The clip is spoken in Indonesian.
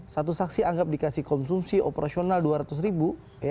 satu saksi anggap dikasih konsumsi operasional dua ratus ribu